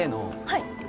はい